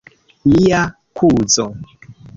Mia kuzo.